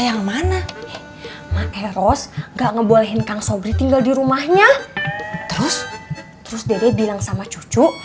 kemana maeros gak ngebolohin kang sobri tinggal di rumahnya terus terus dede bilang sama cucu